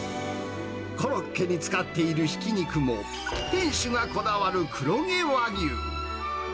コロッケに使っているひき肉も、店主がこだわる黒毛和牛。